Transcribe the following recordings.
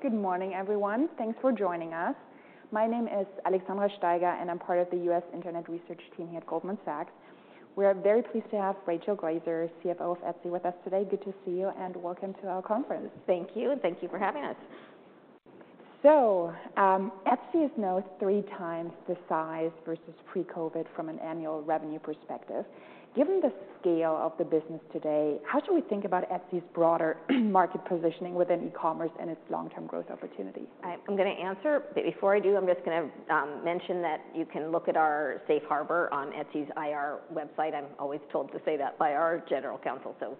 Good morning, everyone. Thanks for joining us. My name is Alexandra Steiger, and I'm part of the U.S. Internet Research team here at Goldman Sachs. We are very pleased to have Rachel Glaser, CFO of Etsy, with us today. Good to see you, and welcome to our conference. Thank you, and thank you for having us. Etsy is now 3x the size versus pre-COVID from an annual revenue perspective. Given the scale of the business today, how should we think about Etsy's broader market positioning within e-commerce and its long-term growth opportunity? I'm gonna answer, but before I do, I'm just gonna mention that you can look at our safe harbor on Etsy's IR website. I'm always told to say that by our general counsel, so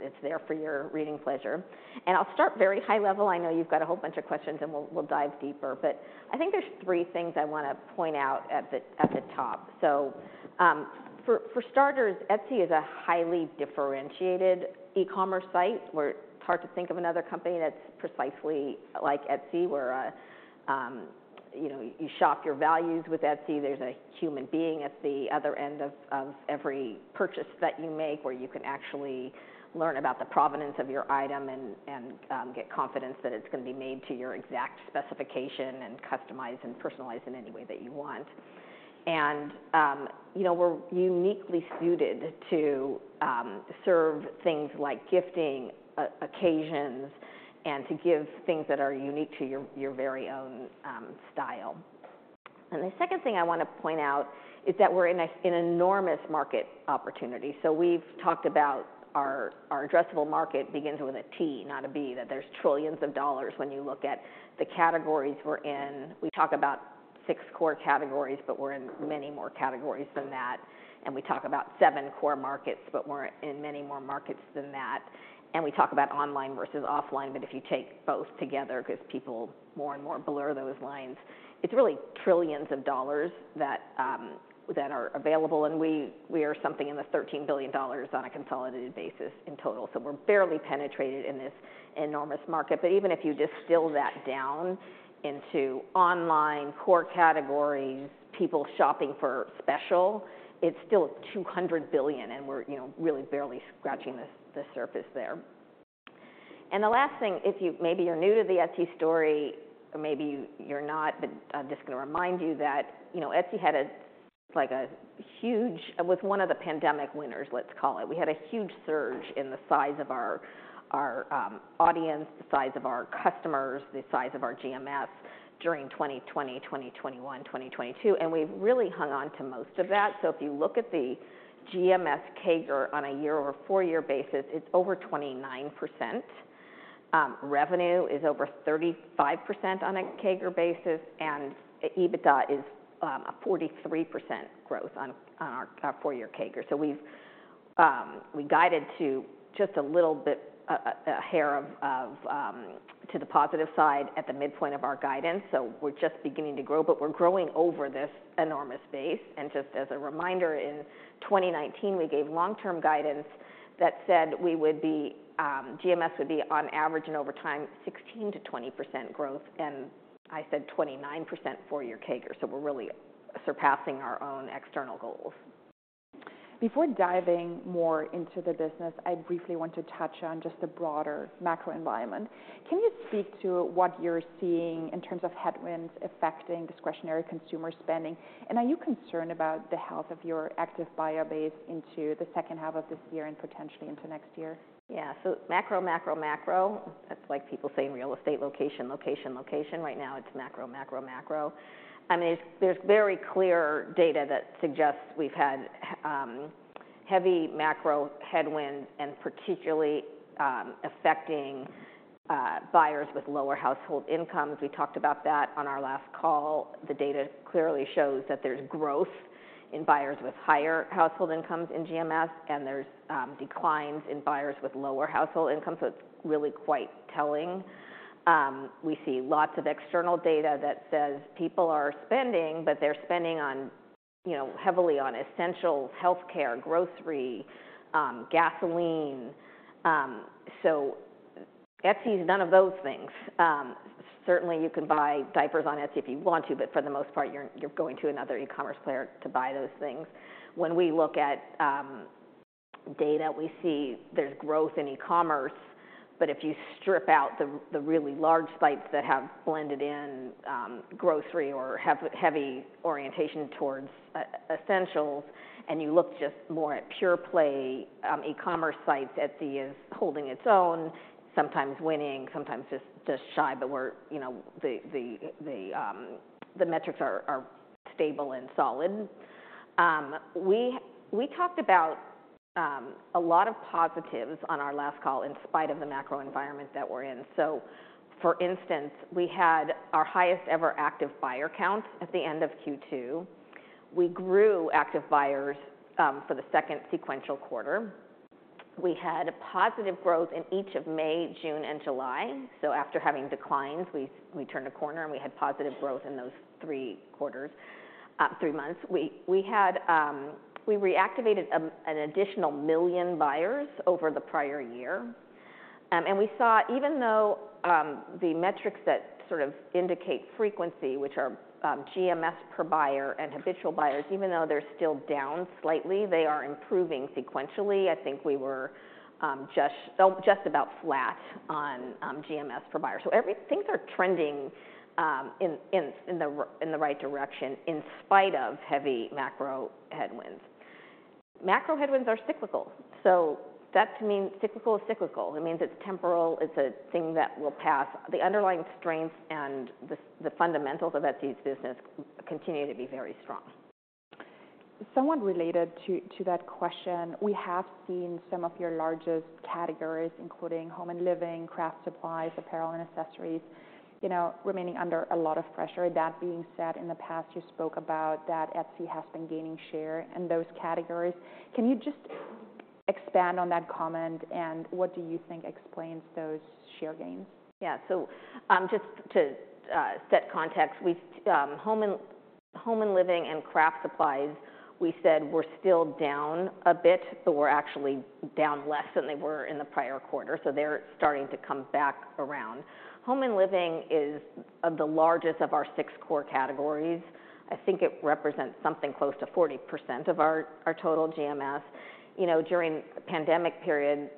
it's there for your reading pleasure. I'll start very high level. I know you've got a whole bunch of questions, and we'll dive deeper. But I think there's three things I wanna point out at the top. So, for starters, Etsy is a highly differentiated e-commerce site, where it's hard to think of another company that's precisely like Etsy, where you know, you shop your values with Etsy. There's a human being at the other end of every purchase that you make, where you can actually learn about the provenance of your item and get confidence that it's gonna be made to your exact specification and customized and personalized in any way that you want. And you know, we're uniquely suited to serve things like gifting occasions, and to give things that are unique to your very own style. And the second thing I wanna point out is that we're in an enormous market opportunity. So we've talked about our addressable market begins with a T, not a B, that there's trillions of dollars when you look at the categories we're in. We talk about 6 core categories, but we're in many more categories than that, and we talk about seven core markets, but we're in many more markets than that. And we talk about online versus offline, but if you take both together, because people more and more blur those lines, it's really trillions of dollars that that are available, and we, we are something in the $13 billion on a consolidated basis in total. So we're barely penetrated in this enormous market. But even if you distill that down into online core categories, people shopping for special, it's still $200 billion, and we're, you know, really barely scratching the the surface there. And the last thing, if you maybe you're new to the Etsy story, or maybe you're not, but I'm just gonna remind you that, you know, Etsy had a, like a huge... It was one of the pandemic winners, let's call it. We had a huge surge in the size of our audience, the size of our customers, the size of our GMS during 2020, 2021, 2022, and we've really hung on to most of that. So if you look at the GMS CAGR on a year or four-year basis, it's over 29%. Revenue is over 35% on a CAGR basis, and EBITDA is a 43% growth on our four-year CAGR. So we guided to just a little bit, a hair of to the positive side at the midpoint of our guidance, so we're just beginning to grow, but we're growing over this enormous base. Just as a reminder, in 2019, we gave long-term guidance that said we would be, GMS would be on average and over time, 16%-20% growth, and I said 29% four-year CAGR. So we're really surpassing our own external goals. Before diving more into the business, I briefly want to touch on just the broader macro environment. Can you speak to what you're seeing in terms of headwinds affecting discretionary consumer spending? And are you concerned about the health of your active buyer base into the second half of this year and potentially into next year? Yeah. So macro, macro, macro. That's like people say in real estate, location, location, location. Right now it's macro, macro, macro. I mean, there's very clear data that suggests we've had heavy macro headwinds and particularly affecting buyers with lower household incomes. We talked about that on our last call. The data clearly shows that there's growth in buyers with higher household incomes in GMS, and there's declines in buyers with lower household incomes, so it's really quite telling. We see lots of external data that says people are spending, but they're spending on, you know, heavily on essentials, healthcare, grocery, gasoline. So Etsy is none of those things. Certainly you can buy diapers on Etsy if you want to, but for the most part, you're going to another e-commerce player to buy those things. When we look at data, we see there's growth in e-commerce, but if you strip out the really large sites that have blended in grocery or have heavy orientation towards e-essentials, and you look just more at pure-play e-commerce sites, Etsy is holding its own, sometimes winning, sometimes just shy, but we're, you know, the metrics are stable and solid. We talked about a lot of positives on our last call in spite of the macro environment that we're in. So for instance, we had our highest-ever active buyer count at the end of Q2. We grew active buyers for the second sequential quarter. We had a positive growth in each of May, June, and July. So after having declines, we, we turned a corner, and we had positive growth in those three quarters, three months. We, we had, we reactivated an additional 1 million buyers over the prior year. And we saw even though, the metrics that sort of indicate frequency, which are, GMS per buyer and habitual buyers, even though they're still down slightly, they are improving sequentially. I think we were just about flat on GMS per buyer. So everything is trending in the right direction, in spite of heavy macro headwinds. Macro headwinds are cyclical, so that means cyclical is cyclical. It means it's temporal, it's a thing that will pass. The underlying strengths and the fundamentals of Etsy's business continue to be very strong. Somewhat related to that question, we have seen some of your largest categories, including home and living, craft supplies, apparel and accessories, you know, remaining under a lot of pressure. That being said, in the past, you spoke about that Etsy has been gaining share in those categories. Can you just expand on that comment, and what do you think explains those share gains? Yeah. So, just to set context, we, home and living, and craft supplies, we said were still down a bit, but were actually down less than they were in the prior quarter, so they're starting to come back around. Home and living is the largest of our six core categories. I think it represents something close to 40% of our total GMS. You know, during the pandemic period,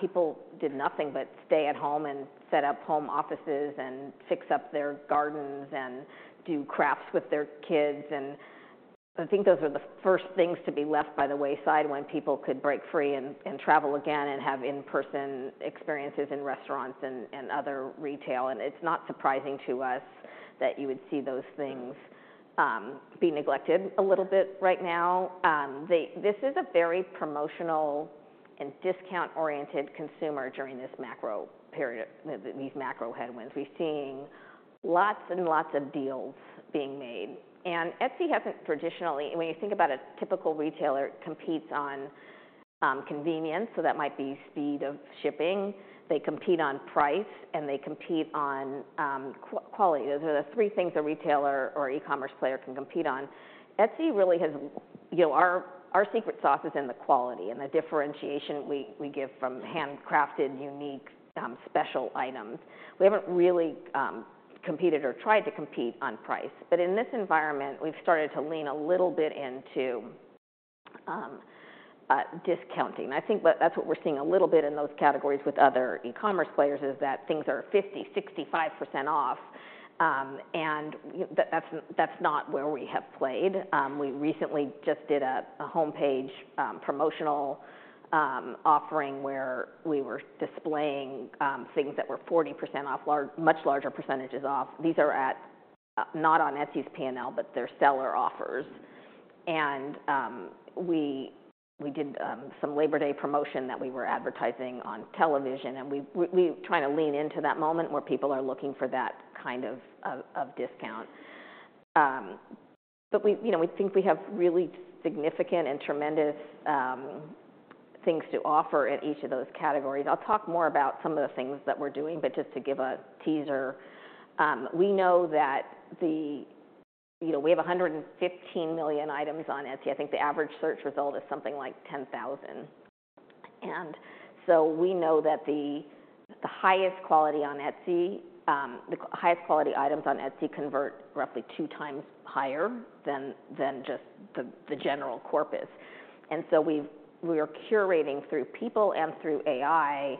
people did nothing but stay at home and set up home offices, and fix up their gardens, and do crafts with their kids, and I think those are the first things to be left by the wayside when people could break free and travel again, and have in-person experiences in restaurants and other retail. And it's not surprising to us that you would see those things be neglected a little bit right now. This is a very promotional and discount-oriented consumer during this macro period, these macro headwinds. We've seen lots and lots of deals being made, and Etsy hasn't traditionally... When you think about a typical retailer, competes on convenience, so that might be speed of shipping. They compete on price, and they compete on quality. Those are the three things a retailer or e-commerce player can compete on. Etsy really has, you know, our secret sauce is in the quality and the differentiation we give from handcrafted, unique, special items. We haven't really competed or tried to compete on price, but in this environment, we've started to lean a little bit into discounting. I think that's what we're seeing a little bit in those categories with other e-commerce players, is that things are 50%, 65% off, and, but that's not where we have played. We recently just did a homepage promotional offering, where we were displaying things that were 40% off, much larger percentages off. These are not on Etsy's P&L, but they're seller offers. And we trying to lean into that moment, where people are looking for that kind of discount. But we, you know, we think we have really significant and tremendous things to offer in each of those categories. I'll talk more about some of the things that we're doing, but just to give a teaser, we know that the... You know, we have 115 million items on Etsy. I think the average search result is something like 10,000 items, and so we know that the highest quality on Etsy, the highest quality items on Etsy convert roughly 2x higher than just the general corpus. And so we are curating through people and through AI,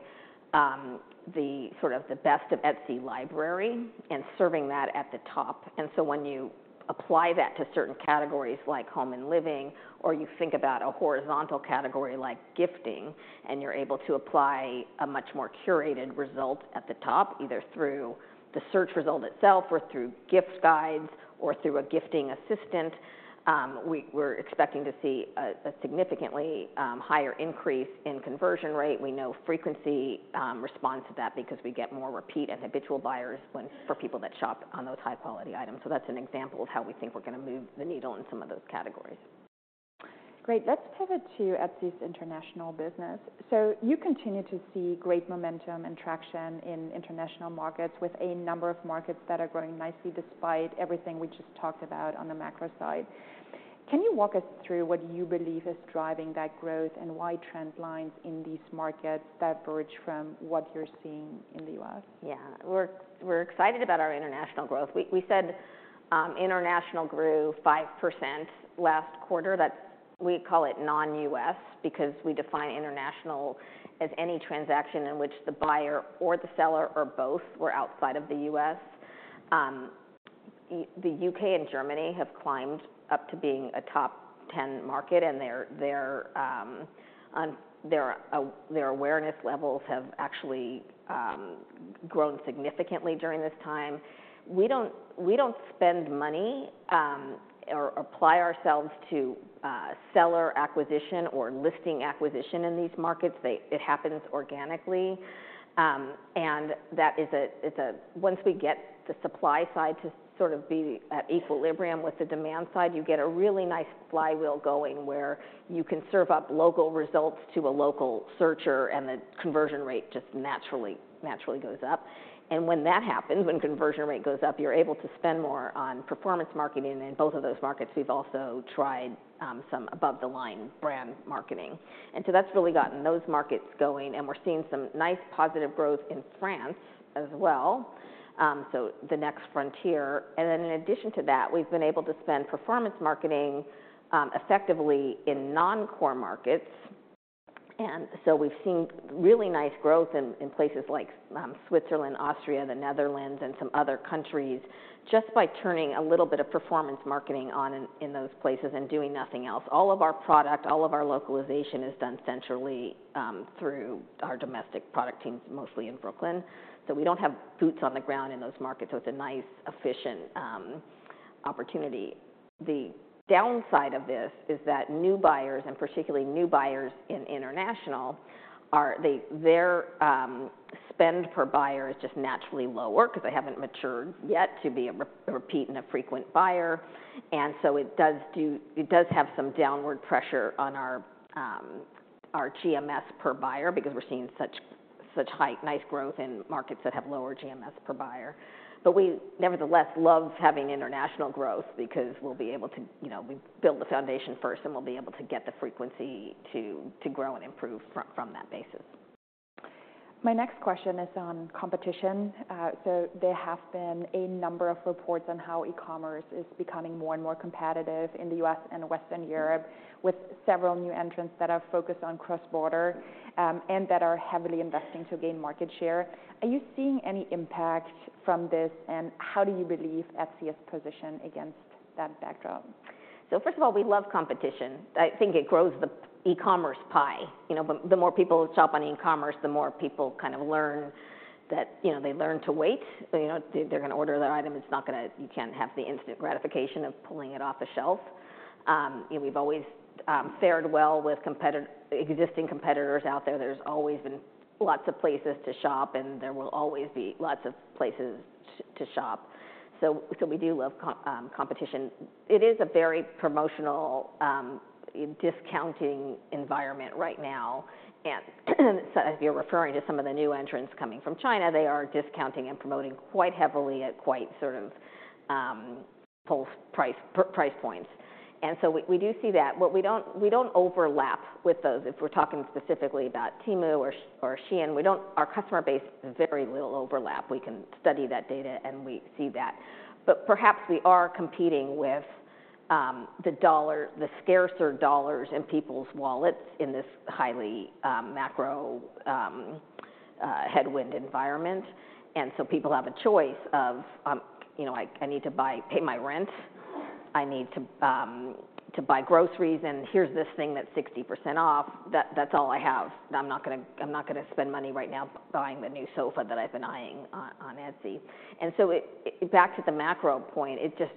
the sort of the best of Etsy library and serving that at the top. And so when you apply that to certain categories, like home and living, or you think about a horizontal category like gifting, and you're able to apply a much more curated result at the top, either through the search result itself, or through gift guides, or through a gifting assistant, we're expecting to see a significantly higher increase in conversion rate. We know frequency responds to that because we get more repeat and habitual buyers for people that shop on those high-quality items. So that's an example of how we think we're gonna move the needle in some of those categories. Great. Let's pivot to Etsy's international business. So you continue to see great momentum and traction in international markets, with a number of markets that are growing nicely, despite everything we just talked about on the macro side. Can you walk us through what you believe is driving that growth and why trend lines in these markets diverge from what you're seeing in the U.S.? Yeah. We're excited about our international growth. We said international grew 5% last quarter. We call it non-U.S. because we define international as any transaction in which the buyer or the seller or both were outside of the U.S. The U.K. and Germany have climbed up to being a top 10 market, and their awareness levels have actually grown significantly during this time. We don't spend money or apply ourselves to seller acquisition or listing acquisition in these markets. It happens organically, and that is, it's a... Once we get the supply side to sort of be at equilibrium with the demand side, you get a really nice flywheel going, where you can serve up local results to a local searcher, and the conversion rate just naturally, naturally goes up. And when that happens, when conversion rate goes up, you're able to spend more on performance marketing. In both of those markets, we've also tried some above-the-line brand marketing, and so that's really gotten those markets going, and we're seeing some nice, positive growth in France as well. So the next frontier, and then in addition to that, we've been able to spend performance marketing effectively in non-core markets.... And so we've seen really nice growth in places like Switzerland, Austria, the Netherlands, and some other countries, just by turning a little bit of performance marketing on in those places and doing nothing else. All of our product, all of our localization is done centrally through our domestic product teams, mostly in Brooklyn. So we don't have boots on the ground in those markets, so it's a nice, efficient opportunity. The downside of this is that new buyers, and particularly new buyers in international, their spend per buyer is just naturally lower because they haven't matured yet to be a repeat and a frequent buyer. And so it does have some downward pressure on our GMS per buyer because we're seeing such high, nice growth in markets that have lower GMS per buyer. But we nevertheless love having international growth because we'll be able to, you know, we build the foundation first, and we'll be able to get the frequency to grow and improve from that basis. My next question is on competition. So there have been a number of reports on how e-commerce is becoming more and more competitive in the U.S. and Western Europe, with several new entrants that are focused on cross-border, and that are heavily investing to gain market share. Are you seeing any impact from this, and how do you believe Etsy's position against that backdrop? So first of all, we love competition. I think it grows the e-commerce pie. You know, the more people shop on e-commerce, the more people kind of learn that... You know, they learn to wait. They know they're gonna order their item. It's not gonna. You can't have the instant gratification of pulling it off the shelf. And we've always fared well with existing competitors out there. There's always been lots of places to shop, and there will always be lots of places to shop. So we do love competition. It is a very promotional discounting environment right now. And so if you're referring to some of the new entrants coming from China, they are discounting and promoting quite heavily at quite sort of low price points. And so we do see that. We don't overlap with those. If we're talking specifically about Temu or Shein, we don't. Our customer base is very little overlap. We can study that data, and we see that. But perhaps we are competing with the dollar, the scarcer dollars in people's wallets in this highly macro headwind environment. And so people have a choice of, you know, I need to buy, pay my rent. I need to buy groceries, and here's this thing that's 60% off. That's all I have. I'm not gonna, I'm not gonna spend money right now buying the new sofa that I've been eyeing on Etsy. Back to the macro point, it just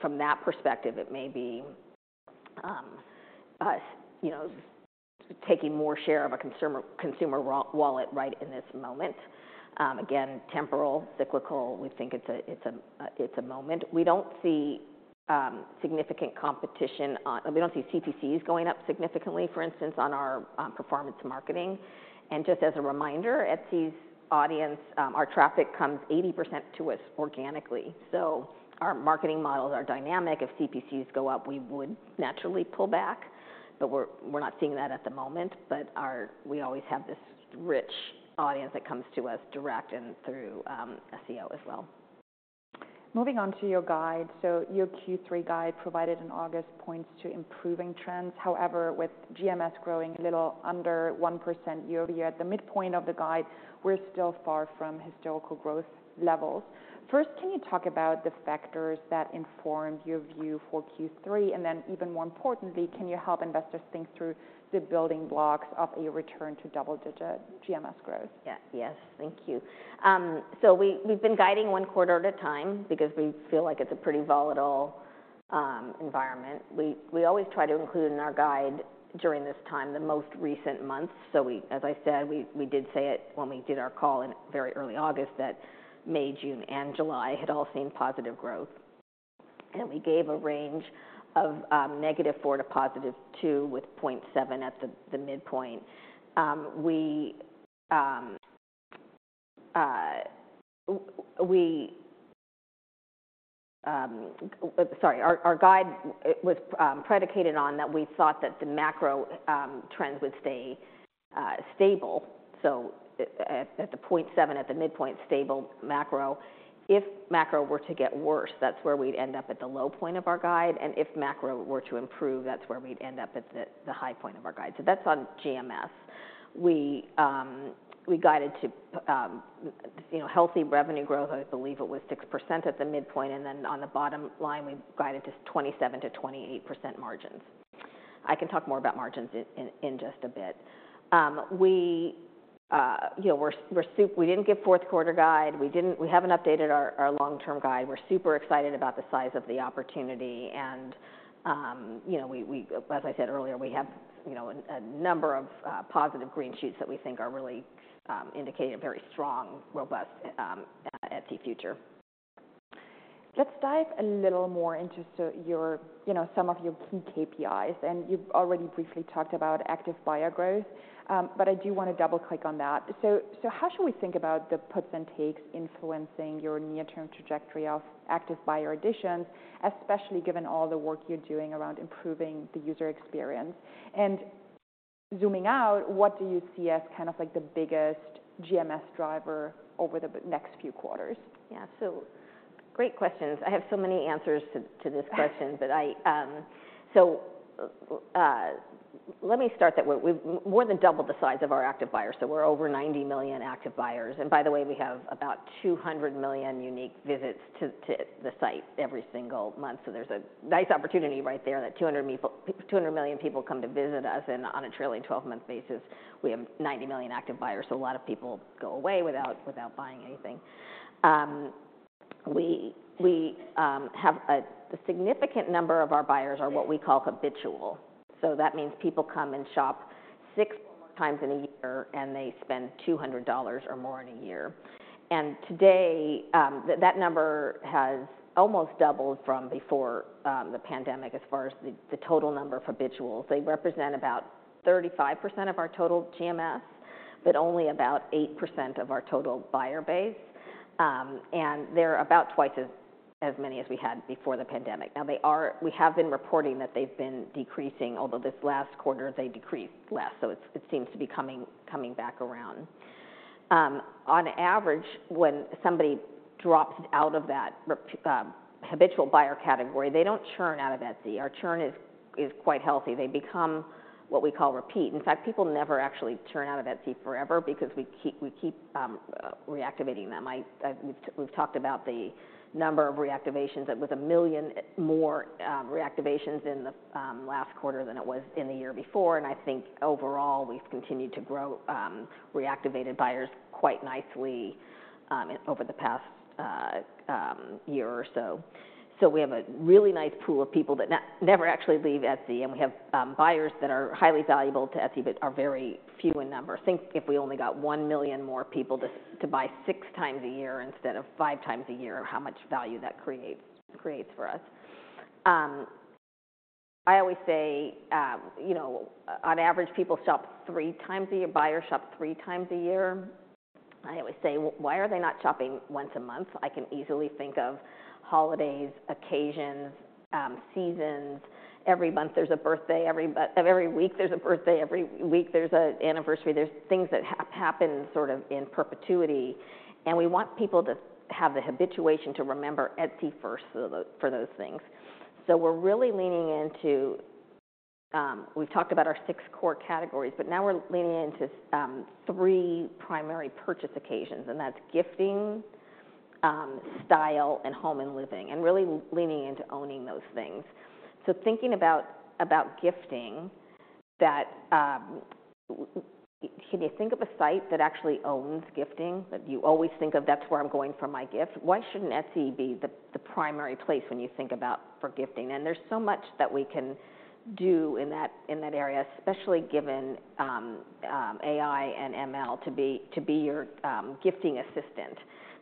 from that perspective, it may be, you know, taking more share of a consumer wallet right in this moment. Again, temporal, cyclical, we think it's a moment. We don't see significant competition. We don't see CPCs going up significantly, for instance, on our performance marketing. And just as a reminder, Etsy's audience, our traffic comes 80% to us organically. So our marketing models are dynamic. If CPCs go up, we would naturally pull back, but we're not seeing that at the moment. But we always have this rich audience that comes to us direct and through SEO as well. Moving on to your guide. So your Q3 guide provided in August points to improving trends. However, with GMS growing a little under 1% year-over-year, at the midpoint of the guide, we're still far from historical growth levels. First, can you talk about the factors that informed your view for Q3? And then, even more importantly, can you help investors think through the building blocks of a return to double-digit GMS growth? Yeah. Yes, thank you. So we've been guiding one quarter at a time because we feel like it's a pretty volatile environment. We always try to include in our guide during this time the most recent months. So, as I said, we did say it when we did our call in very early August that May, June, and July had all seen positive growth. And we gave a range of -4-+2, with 0.7 at the midpoint. Sorry, our guide was predicated on that we thought that the macro trend would stay stable, so at the 0.7 at the midpoint, stable macro. If macro were to get worse, that's where we'd end up at the low point of our guide. And if macro were to improve, that's where we'd end up at the high point of our guide. So that's on GMS. We guided to, you know, healthy revenue growth. I believe it was 6% at the midpoint, and then on the bottom line, we guided to 27%-28% margins. I can talk more about margins in just a bit. We, you know, we're super. We didn't give fourth quarter guide. We didn't. We haven't updated our long-term guide. We're super excited about the size of the opportunity, and, you know, we, as I said earlier, we have, you know, a number of positive green shoots that we think are really indicate a very strong, robust Etsy future. Let's dive a little more into so, your, you know, some of your key KPIs, and you've already briefly talked about active buyer growth, but I do want to double click on that. So how should we think about the puts and takes influencing your near-term trajectory of active buyer additions, especially given all the work you're doing around improving the user experience? And zooming out, what do you see as kind of like the biggest GMS driver over the next few quarters? Yeah, Great questions. I have so many answers to, to this question, but I, So, let me start that we've more than doubled the size of our active buyers, so we're over 90 million active buyers. And by the way, we have about 200 million unique visits to the site every single month. So there's a nice opportunity right there that 200 people- 200 million people come to visit us, and on a trailing twelve-month basis, we have 90 million active buyers. So a lot of people go away without buying anything. We have a significant number of our buyers are what we call habitual. So that means people come and shop 6x or more times in a year, and they spend $200 or more in a year. Today, that number has almost doubled from before the pandemic as far as the total number of habituals. They represent about 35% of our total GMS, but only about 8% of our total buyer base. And they're about twice as many as we had before the pandemic. Now we have been reporting that they've been decreasing, although this last quarter they decreased less, so it seems to be coming back around. On average, when somebody drops out of that habitual buyer category, they don't churn out of Etsy. Our churn is quite healthy. They become what we call repeat. In fact, people never actually churn out of Etsy forever because we keep reactivating them. We've talked about the number of reactivations. It was 1 million more reactivations in the last quarter than it was in the year before, and I think overall, we've continued to grow reactivated buyers quite nicely over the past year or so. So we have a really nice pool of people that never actually leave Etsy, and we have buyers that are highly valuable to Etsy, but are very few in number. Think if we only got one million more people to buy 6x a year instead of 5x a year, how much value that creates for us. I always say, you know, on average, people shop 3x a year. Buyers shop 3x a year. I always say, "Why are they not shopping once a month?" I can easily think of holidays, occasions, seasons. Every month there's a birthday, every week there's a birthday, every week there's an anniversary. There's things that happen sort of in perpetuity, and we want people to have the habituation to remember Etsy first for those things. So we're really leaning into. We've talked about our six core categories, but now we're leaning into three primary purchase occasions, and that's gifting, style, and home and living, and really leaning into owning those things. So thinking about gifting, that can you think of a site that actually owns gifting, that you always think of, "That's where I'm going for my gift?" Why shouldn't Etsy be the primary place when you think about for gifting? There's so much that we can do in that area, especially given AI and ML to be your gifting assistant,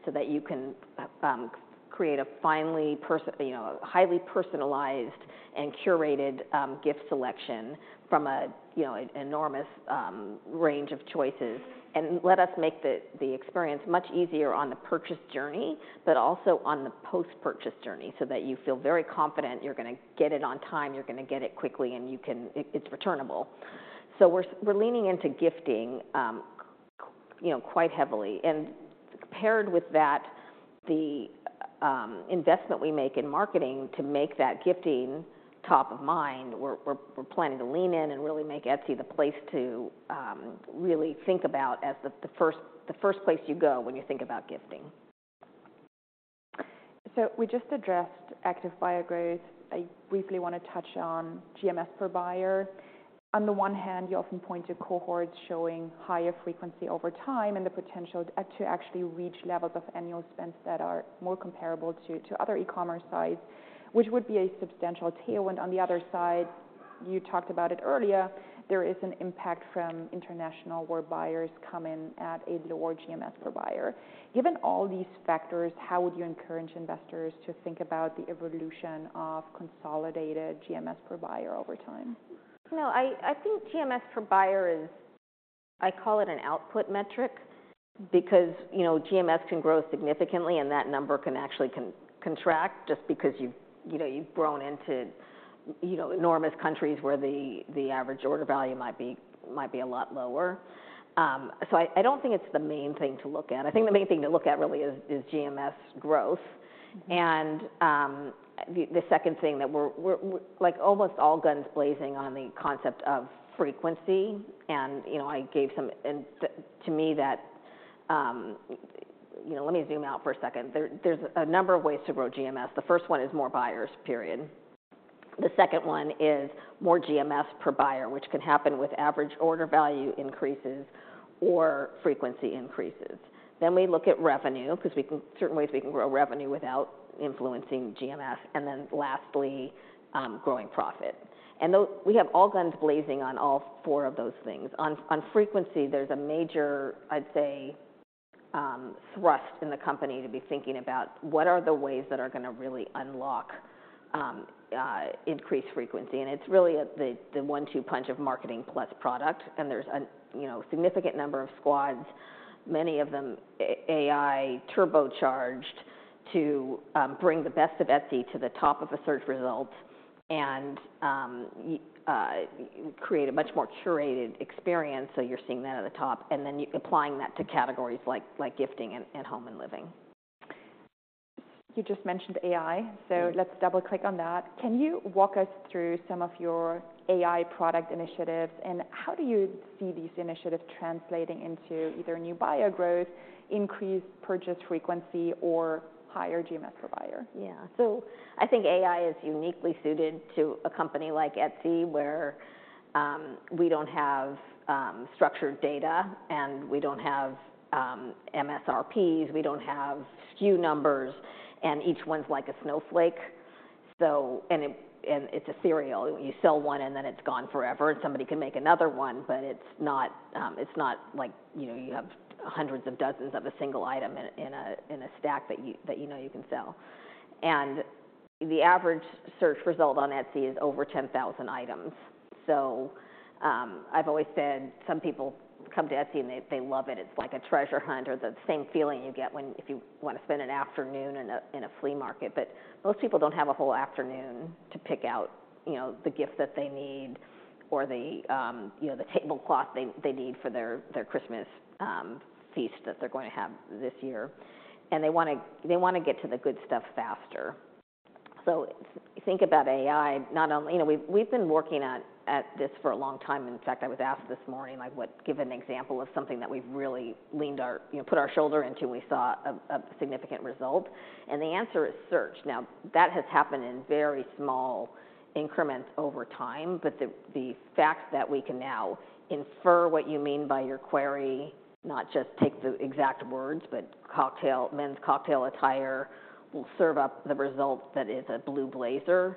so that you can create a highly personalized and curated gift selection from a—you know—an enormous range of choices. And let us make the experience much easier on the purchase journey, but also on the post-purchase journey, so that you feel very confident you're gonna get it on time, you're gonna get it quickly, and you can—it's returnable. So we're leaning into gifting, you know, quite heavily. Paired with that, the investment we make in marketing to make that gifting top of mind, we're planning to lean in and really make Etsy the place to really think about as the first place you go when you think about gifting. We just addressed active buyer growth. I briefly want to touch on GMS per buyer. On the one hand, you often point to cohorts showing higher frequency over time and the potential to actually reach levels of annual spends that are more comparable to other e-commerce sites, which would be a substantial tailwind. On the other side, you talked about it earlier, there is an impact from international, where buyers come in at a lower GMS per buyer. Given all these factors, how would you encourage investors to think about the evolution of consolidated GMS per buyer over time? No, I think GMS per buyer is... I call it an output metric because, you know, GMS can grow significantly, and that number can actually contract just because you've, you know, you've grown into, you know, enormous countries where the average order value might be a lot lower. So I don't think it's the main thing to look at. I think the main thing to look at really is GMS growth. And the second thing that we're like almost all guns blazing on the concept of frequency, and, you know, to me, that, you know, let me zoom out for a second. There's a number of ways to grow GMS. The first one is more buyers, period. The second one is more GMS per buyer, which can happen with average order value increases or frequency increases. Then we look at revenue, because we can, certain ways we can grow revenue without influencing GMS, and then lastly, growing profit. And we have all guns blazing on all four of those things. On frequency, there's a major, I'd say, thrust in the company to be thinking about what are the ways that are gonna really unlock, increased frequency, and it's really at the one-two punch of marketing plus product. And there's a, you know, significant number of squads, many of them AI turbocharged, to bring the best of Etsy to the top of a search result and create a much more curated experience, so you're seeing that at the top. Then you're applying that to categories like gifting and home and living.... You just mentioned AI, so let's double-click on that. Can you walk us through some of your AI product initiatives, and how do you see these initiatives translating into either new buyer growth, increased purchase frequency, or higher GMS per buyer? Yeah. So I think AI is uniquely suited to a company like Etsy, where we don't have structured data, and we don't have MSRPs, we don't have SKU numbers, and each one's like a snowflake. So, and it's a serial. You sell one, and then it's gone forever, and somebody can make another one, but it's not like, you know, you have hundreds of dozens of a single item in a stack that you know you can sell. And the average search result on Etsy is over 10,000 items. So, I've always said some people come to Etsy, and they love it. It's like a treasure hunt or the same feeling you get when if you want to spend an afternoon in a flea market. But most people don't have a whole afternoon to pick out, you know, the gift that they need or the, you know, the tablecloth they need for their Christmas feast that they're going to have this year. They want to get to the good stuff faster. So if you think about AI, not only... You know, we've been working at this for a long time. In fact, I was asked this morning, like, give an example of something that we've really leaned our, you know, put our shoulder into, and we saw a significant result, and the answer is search. Now, that has happened in very small increments over time, but the fact that we can now infer what you mean by your query, not just take the exact words, but cocktail, men's cocktail attire will serve up the result that is a blue blazer,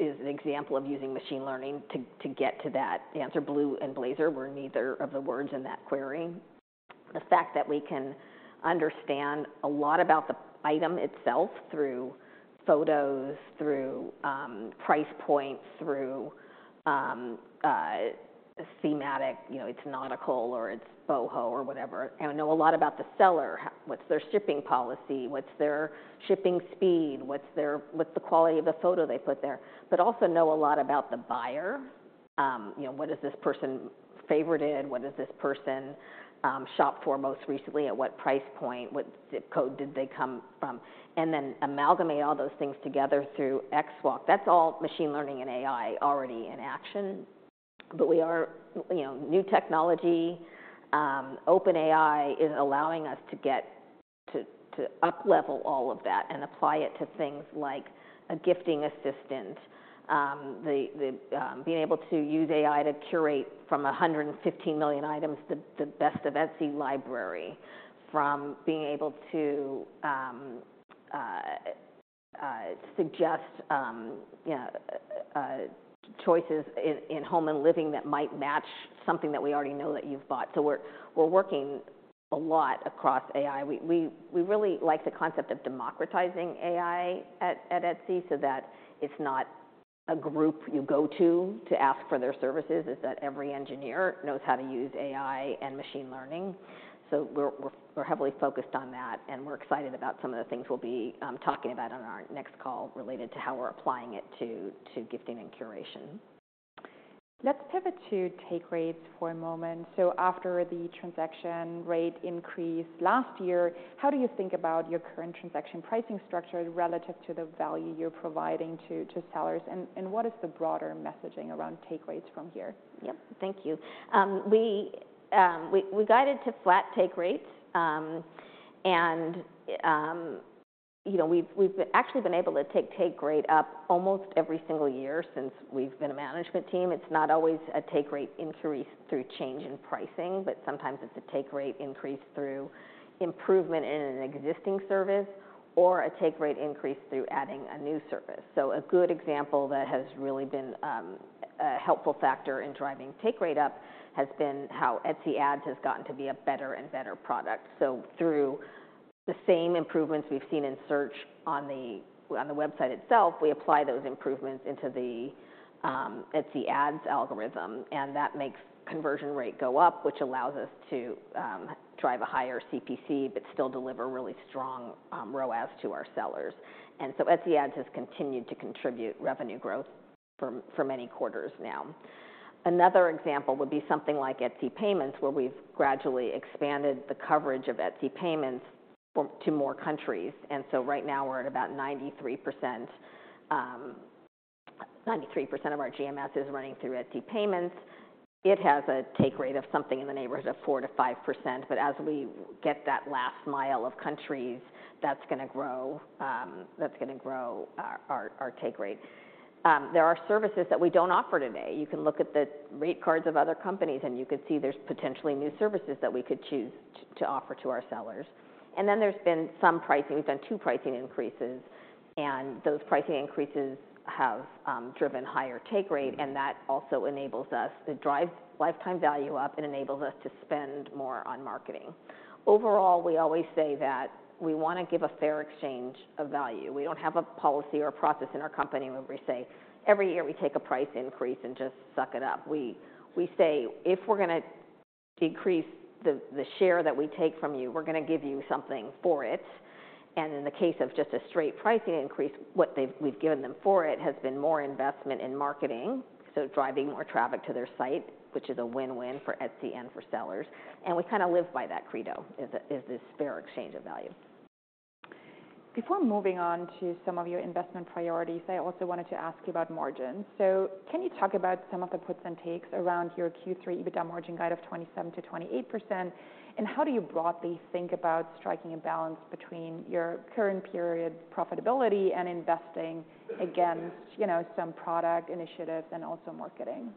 is an example of using machine learning to get to that answer. Blue and blazer were neither of the words in that query. The fact that we can understand a lot about the item itself through photos, through price points, through thematic, you know, it's nautical or it's boho or whatever, and know a lot about the seller. What's their shipping policy? What's their shipping speed? What's their - what's the quality of the photo they put there? But also know a lot about the buyer. You know, what is this person favorited? What does this person shop for most recently? At what price point? What ZIP code did they come from? And then amalgamate all those things together through XWalk. That's all machine learning and AI already in action. But we are, you know, new technology. OpenAI is allowing us to get to uplevel all of that and apply it to things like a gifting assistant, being able to use AI to curate from 115 million items, the best of Etsy library, from being able to suggest choices in home and living that might match something that we already know that you've bought. So we're working a lot across AI. We really like the concept of democratizing AI at Etsy, so that it's not a group you go to to ask for their services, is that every engineer knows how to use AI and machine learning. So we're heavily focused on that, and we're excited about some of the things we'll be talking about on our next call related to how we're applying it to gifting and curation. Let's pivot to take rates for a moment. So after the transaction rate increase last year, how do you think about your current transaction pricing structure relative to the value you're providing to sellers? And what is the broader messaging around take rates from here? Yep, thank you. We’ve guided to flat take rates. You know, we’ve actually been able to take rate up almost every single year since we’ve been a management team. It’s not always a take rate increase through change in pricing, but sometimes it’s a take rate increase through improvement in an existing service or a take rate increase through adding a new service. So a good example that has really been a helpful factor in driving take rate up has been how Etsy Ads has gotten to be a better and better product. So through the same improvements we've seen in search on the website itself, we apply those improvements into the Etsy Ads algorithm, and that makes conversion rate go up, which allows us to drive a higher CPC, but still deliver really strong ROAS to our sellers. And so Etsy Ads has continued to contribute revenue growth for many quarters now. Another example would be something like Etsy Payments, where we've gradually expanded the coverage of Etsy Payments to more countries. And so right now, we're at about 93%, 93% of our GMS is running through Etsy Payments. It has a take rate of something in the neighborhood of 4%-5%, but as we get that last mile of countries, that's going to grow that's going to grow our our our take rate. There are services that we don't offer today. You can look at the rate cards of other companies, and you can see there's potentially new services that we could choose to offer to our sellers. Then there's been some pricing. We've done 2 pricing increases, and those pricing increases have driven higher take rate, and that also enables us to drive lifetime value up and enables us to spend more on marketing. Overall, we always say that we want to give a fair exchange of value. We don't have a policy or a process in our company where we say, "Every year we take a price increase and just suck it up." We say, "If we're going to increase the share that we take from you, we're going to give you something for it." And in the case of just a straight pricing increase, what we've given them for it has been more investment in marketing, so driving more traffic to their site, which is a win-win for Etsy and for sellers. And we kind of live by that credo, is this fair exchange of value. ... Before moving on to some of your investment priorities, I also wanted to ask you about margins. So can you talk about some of the puts and takes around your Q3 EBITDA margin guide of 27%-28%? And how do you broadly think about striking a balance between your current period profitability and investing against, you know, some product initiatives and also marketing?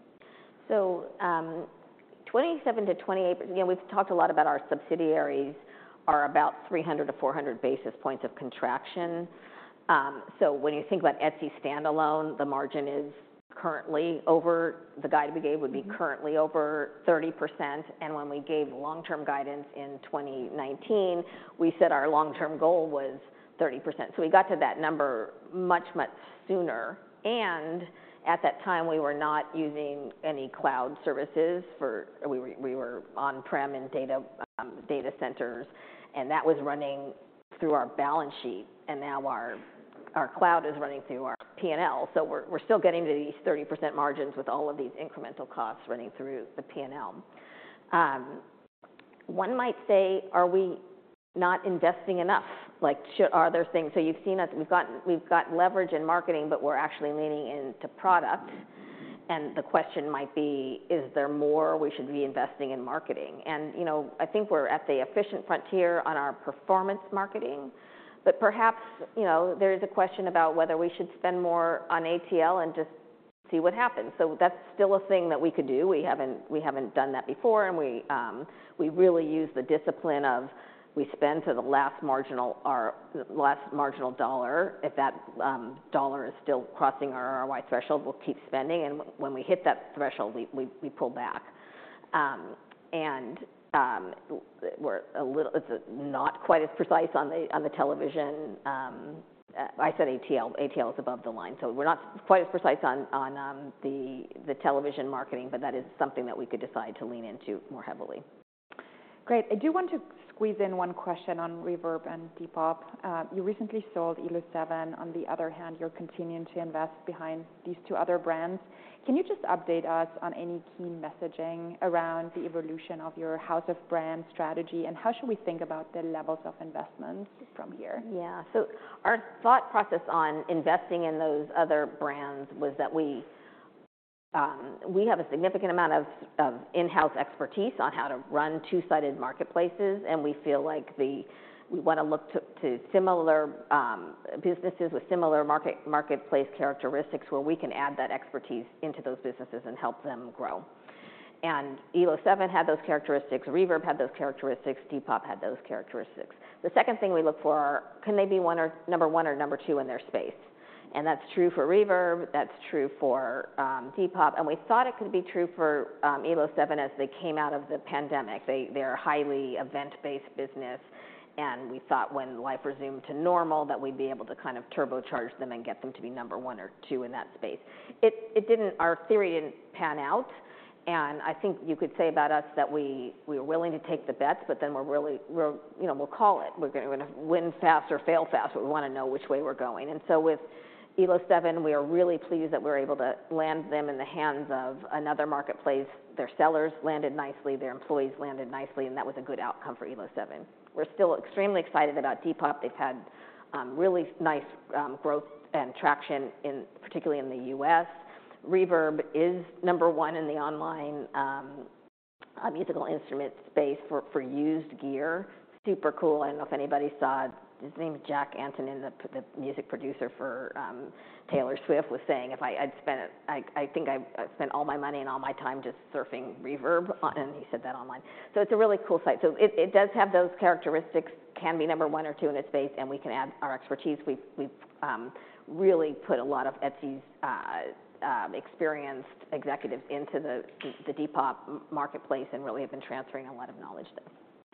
So, 27%-28%, you know, we've talked a lot about our subsidiaries are about 300 basis points-400 basis points of contraction. So when you think about Etsy standalone, the margin is currently over—the guide we gave would be currently over 30%, and when we gave long-term guidance in 2019, we said our long-term goal was 30%. So we got to that number much, much sooner, and at that time, we were not using any cloud services for—we were, we were on-prem and data, data centers, and that was running through our balance sheet, and now our, our cloud is running through our P&L. So we're, we're still getting to these 30% margins with all of these incremental costs running through the P&L. One might say, are we not investing enough? Like, should... So you've seen us, we've gotten, we've got leverage in marketing, but we're actually leaning into product. The question might be, is there more we should be investing in marketing? You know, I think we're at the efficient frontier on our performance marketing, but perhaps, you know, there is a question about whether we should spend more on ATL and just see what happens. So that's still a thing that we could do. We haven't, we haven't done that before, and we really use the discipline of we spend to the last marginal dollar. If that dollar is still crossing our ROI threshold, we'll keep spending, and when we hit that threshold, we pull back. We're a little. It's not quite as precise on the television. I said ATL. ATL is above the line, so we're not quite as precise on the television marketing, but that is something that we could decide to lean into more heavily. Great. I do want to squeeze in one question on Reverb and Depop. You recently sold Elo7. On the other hand, you're continuing to invest behind these two other brands. Can you just update us on any key messaging around the evolution of your house of brands strategy, and how should we think about the levels of investment from here? Yeah. So our thought process on investing in those other brands was that we, we have a significant amount of in-house expertise on how to run two-sided marketplaces, and we feel like we wanna look to similar businesses with similar marketplace characteristics, where we can add that expertise into those businesses and help them grow. And Elo7 had those characteristics, Reverb had those characteristics, Depop had those characteristics. The second thing we look for, can they be one or number one or number two in their space? And that's true for Reverb, that's true for Depop, and we thought it could be true for Elo7 as they came out of the pandemic. They're a highly event-based business, and we thought when life resumed to normal, that we'd be able to kind of turbocharge them and get them to be number one or two in that space. It didn't. Our theory didn't pan out, and I think you could say about us that we were willing to take the bets, but then we're really, we're, you know, we'll call it. We're gonna win fast or fail fast, but we wanna know which way we're going. And so with Elo7, we are really pleased that we're able to land them in the hands of another marketplace. Their sellers landed nicely, their employees landed nicely, and that was a good outcome for Elo7. We're still extremely excited about Depop. They've had really nice growth and traction, particularly in the US. Reverb is number one in the online musical instrument space for used gear. Super cool. I don't know if anybody saw... His name is Jack Antonoff, the music producer for Taylor Swift, was saying, "If I'd spent—I think I've spent all my money and all my time just surfing Reverb," and he said that online. So it's a really cool site. So it does have those characteristics, can be number one or two in its space, and we can add our expertise. We've really put a lot of Etsy's experienced executives into the Depop marketplace and really have been transferring a lot of knowledge there.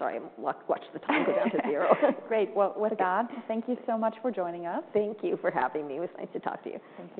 Sorry, I watched the time go down to zero. Great. Well, what a go. Thank you so much for joining us. Thank you for having me. It was nice to talk to you. Thank you.